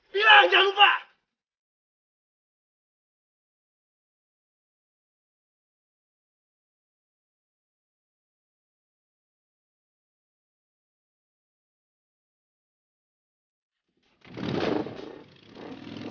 bilang jangan lupa